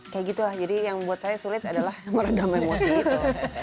kayak gitu lah jadi yang buat saya sulit adalah merendam emosi gitu